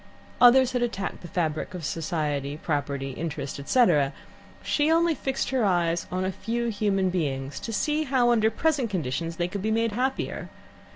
Others had attacked the fabric of Society Property, Interest, etc.; she only fixed her eyes on a few human beings, to see how, under present conditions, they could be made happier.